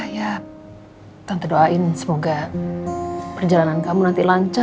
ya tanpa doain semoga perjalanan kamu nanti lancar